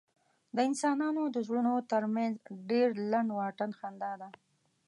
د انسانانو د زړونو تر منځ ډېر لنډ واټن خندا ده.